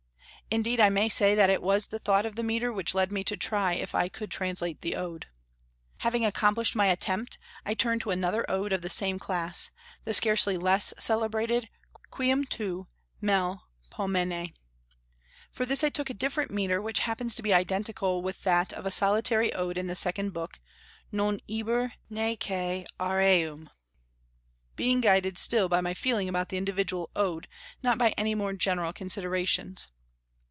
Indeed, I may say that it was the thought of the metre which led me to try if I could translate the Ode. Having accomplished my attempt, I turned to another Ode of the same class, the scarcely less celebrated "Quem tu, Melpomene." For this I took a different metre, which happens to be identical with that of a solitary Ode in the Second Book, "Non ebur neque aureum," being guided still by my feeling about the individual Ode, not by any more general considerations.